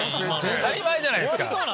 当たり前じゃないっすか。